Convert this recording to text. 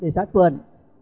để sát khuẩn